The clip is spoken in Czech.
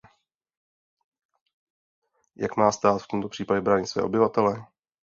Jak má stát v tomto případě bránit své obyvatele?